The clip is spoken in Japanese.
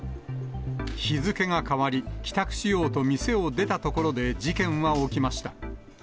日付が変わり、帰宅しようと店を出たところで事件は起きました。